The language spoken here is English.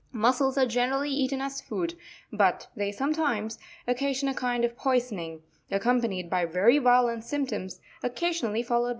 Mussels are generally eaten as food, but they sometimes occasion a kind of poisoning, accompanied by very violent symptoms, occasionally followed by death.